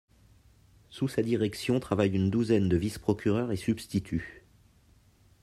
Sous sa direction travaillent une douzaine de vice-procureurs et substituts.